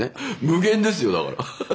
無限ですよだから。